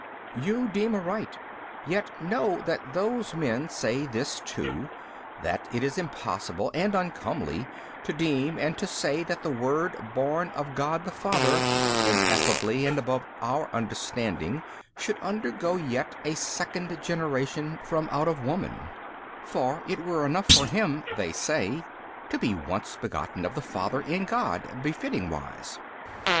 B. You deem aright: yet know that those men say this too, that it is impossible and uncomely to deem and to say that the Word Born of God the Father Ineffably and above our understanding should undergo yet a second generation from out of woman: for it were enough for Him (they say) to be once begotten of the Father in God befitting wise.